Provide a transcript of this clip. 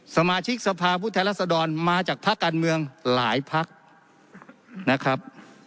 สมาชิกสภาพุทธรัศดรมาจากภาคการเมืองหลายพักนะครับ